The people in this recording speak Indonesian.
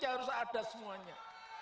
yang harus ada semuanya